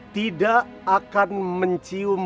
tidak akan mencium